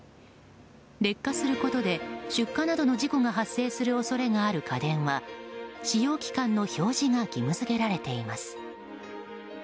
劣化することで出火などの事故が発生する恐れのある家電は使用期間の表示が義務付けられています。